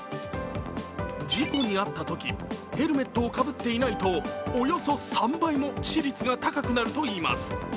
事故に遭ったとき、ヘルメットをかぶっていないとおよそ３倍も致死率が高くなるといいます。